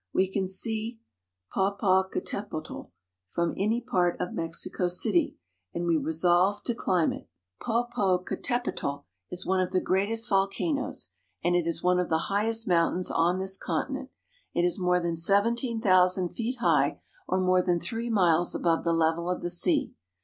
We can see Popocatepetl from any part of Mexico city, and we resolve to climb it, 344 MEXICO. Popocatepetl is one of the greatest volcanoes, and it is one of the highest mountains on this continent. It is more than seventeen thousand feet high, or more than three miles above the level of the sea.